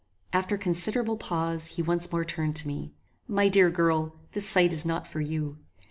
After considerable pause, he once more turned to me. "My dear girl, this sight is not for you.